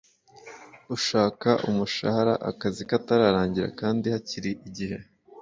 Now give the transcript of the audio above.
Ushaka umushara akazi katararangira kandi hakiri igihe